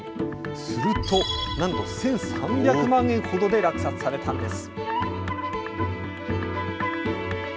すると、なんと１３００万円ほどで落札されたんです。